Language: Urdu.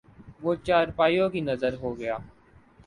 وہ چارپائیوں کی نذر ہو گیا